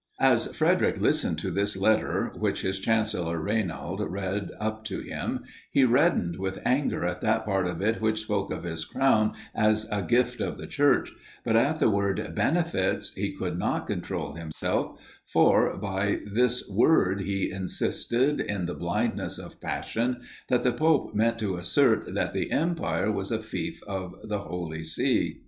As Frederic listened to this letter, which his chancellor Raynald read up to him, he reddened with anger at that part of it which spoke of his crown as a gift of the Church; but at the word "benefits" he could not control himself, for, by this word he insisted, in the blindness of passion, that the pope meant to assert that the empire was a feoff of the Holy See.